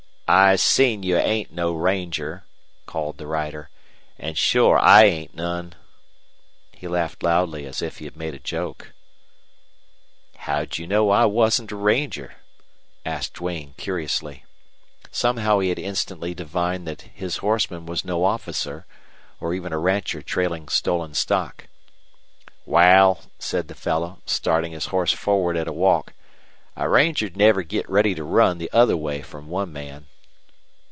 "I seen you ain't no ranger," called the rider, "an' shore I ain't none." He laughed loudly, as if he had made a joke. "How'd you know I wasn't a ranger?" asked Duane, curiously. Somehow he had instantly divined that his horseman was no officer, or even a rancher trailing stolen stock. "Wal," said the fellow, starting his horse forward at a walk, "a ranger'd never git ready to run the other way from one man."